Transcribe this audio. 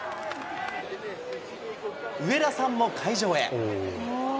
上田さんも会場へ。